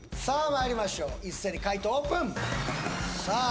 まいりましょう一斉に解答オープンさあ